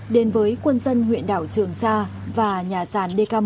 đến với quân dân huyện đảo trường sa và nhà sàn dk một